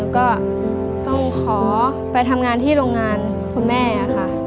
ก็ต้องขอไปทำงานที่โรงงานคุณแม่ค่ะ